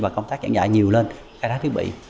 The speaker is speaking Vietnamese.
và công tác giảng dạy nhiều lên khai thác thiết bị